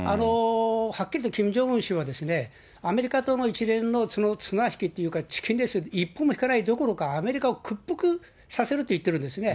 はっきりと、キム・ジョンウン氏は、アメリカとの一連の綱引きというか、チキンレース、一歩も引かないどころか、アメリカを屈服させるって言ってるんですね。